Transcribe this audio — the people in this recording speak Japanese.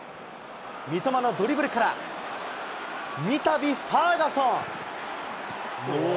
三笘のドリブルから、みたび、ファーガソン。